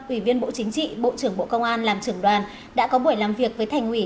ủy viên bộ chính trị bộ trưởng bộ công an làm trưởng đoàn đã có buổi làm việc với thành ủy